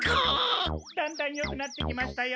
だんだんよくなってきましたよ！